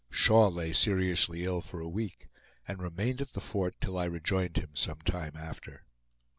Shaw lay seriously ill for a week, and remained at the fort till I rejoined him some time after.